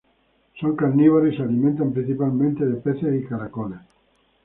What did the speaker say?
Son carnívoras y se alimentan principalmente de peces y caracoles.